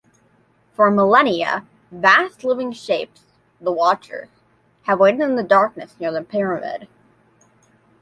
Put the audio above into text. For millennia, vast living shapes-the Watchers-have waited in the darkness near the pyramid.